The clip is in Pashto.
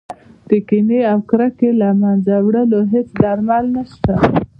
د کینې او کرکې له منځه وړلو هېڅ درمل نه شته.